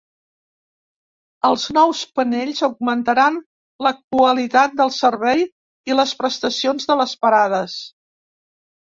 Els nous panells augmentaran la qualitat del servei i les prestacions de les parades.